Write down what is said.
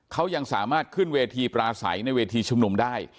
เขายังสามารถขึ้นเวทีปราศัยในเวทีชุมนุมได้